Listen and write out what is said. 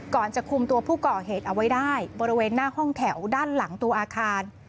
จะคุมตัวผู้ก่อเหตุเอาไว้ได้บริเวณหน้าห้องแถวด้านหลังตัวอาคาร